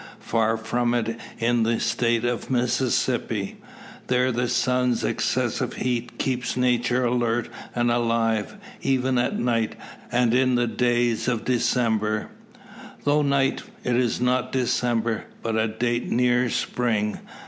Far from it in the State of Mississippi. There the sun's excessive heat keeps Nature alert and alive, even at night, and in days of December. Though night, it is not December, but a date nearer Spring.